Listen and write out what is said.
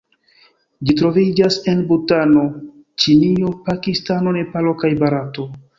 Ĝi troviĝas en Butano, Ĉinio, Pakistano, Nepalo kaj Barato.